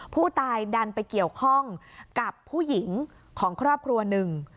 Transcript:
ผู้ตายดันไปเกี่ยวข้องกับผู้หญิงของครอบครัวหนึ่ง